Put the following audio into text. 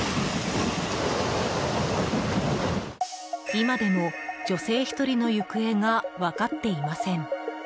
今でも女性１人の行方が分かっていません。